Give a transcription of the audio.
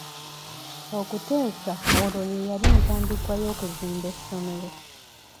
Okuteesa olwo ye yali entandikwa y'okuzimba essomero.